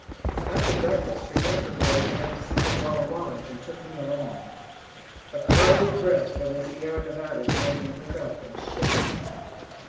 After breakfast her younger boys wanted to see the Walla Wallas, and took me along. A cold breath from the Sierra Nevadas made me look up and shiver.